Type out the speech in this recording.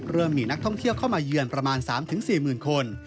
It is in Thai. เริ่มมีนักท่องเที่ยวเข้ามาเยือนประมาณ๓๔หมื่นคน